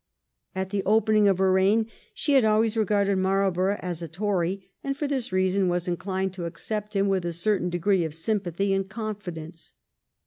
At the opening of her reign she had always regarded Marlborough as a Tory, and for this reason was inclined to accept him with a certain degree of sympathy and confidence.